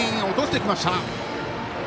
落としてきました。